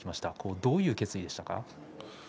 どういう決意でしたか。